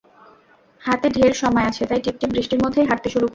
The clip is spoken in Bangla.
হাতে ঢের সময় আছে, তাই টিপ টিপ বৃষ্টির মধ্যেই হাঁটতে শুরু করলাম।